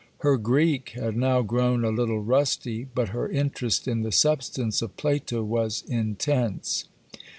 Her Greek had now grown a little rusty, but her interest in the substance of Plato was intense.